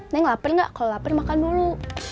neng lapar nggak kalau lapar makan dulu